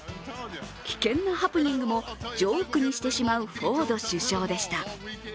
危険なハプニングもジョークにしてしまうフォード首相でした。